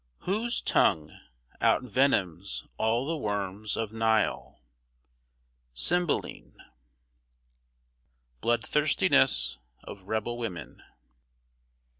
Whose tongue Outvenoms all the worms of Nile. CYMBELINE. [Sidenote: BLOODTHIRSTINESS OF REBEL WOMEN.